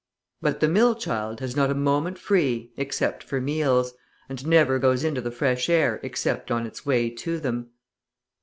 But the mill child has not a moment free except for meals, and never goes into the fresh air except on its way to them.